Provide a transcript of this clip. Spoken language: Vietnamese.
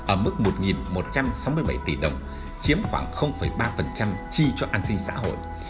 ở mức một một trăm sáu mươi bảy tỷ đồng chiếm khoảng ba chi cho an sinh xã hội